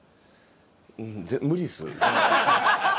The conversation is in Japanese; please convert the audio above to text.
「無理です」。